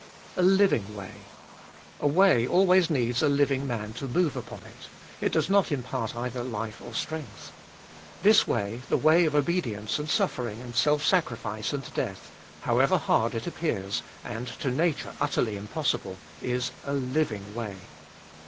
A living way. A way always needs a living man to move upon it ; it does not impart either life or strength. This way, the way of obedience and suffering and self sacrifice and death, however hard it appears, and to nature utterly impossible, is a living ivay.